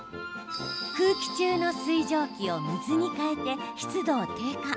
空気中の水蒸気を水に変えて湿度を低下。